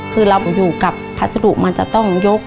คือเราอยู่กับพัสดุมันจะต้องยก